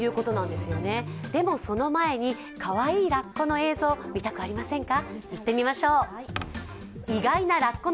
でも、その前にかわいいラッコの映像、見たくありませんか？